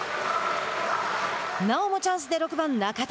なおもチャンスで６番中田。